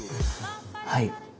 はい。